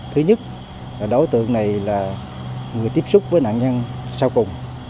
thứ nhất đối tượng này là người tiếp xúc với nạn nhân sau cùng